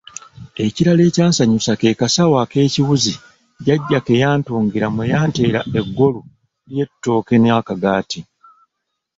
Ekirala ekyansanyusa ke kasawo ek'ekiwuzi jjajja ke yantungira mwe yanteera Eggwolu ly'ettooke n'akagaati.